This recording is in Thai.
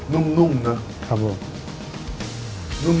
นุ่มนะครับผม